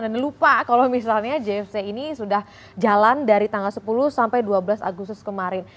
dan lupa kalau misalnya jfc ini sudah jalan dari tanggal sepuluh sampai dua belas agustus kemarin